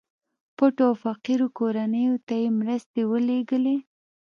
پټو او فقيرو کورنيو ته يې مرستې ورلېږلې.